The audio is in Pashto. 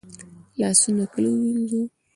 لاسونه کله ووینځو؟